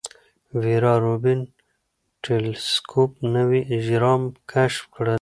ویرا روبین ټیلسکوپ نوي اجرام کشف کړل.